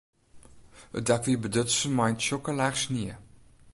It dak wie bedutsen mei in tsjokke laach snie.